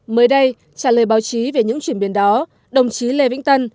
mới đây trả lời báo chí về những chuyển biến đó đồng chí lê vĩnh tân